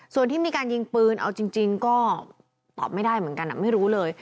ส่วนที่มีการยิงปืนเอาจริงก็ตอบไม่ได้เหมือนกันไม่รู้เลย